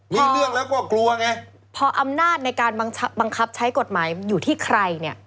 มีเรื่องแล้วก็กลัวไงพออำนาจในการบังคับใช้กฎหมายอยู่ที่ใครเนี่ย